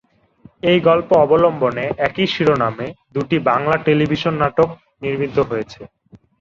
এই গল্প অবলম্বনে একই শিরোনামে দুটি বাংলা টেলিভিশন নাটক নির্মিত হয়েছে।